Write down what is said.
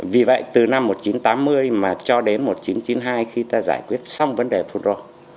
vì vậy từ năm một nghìn chín trăm tám mươi mà cho đến một nghìn chín trăm chín mươi hai khi ta giải quyết xong vấn đề phun rô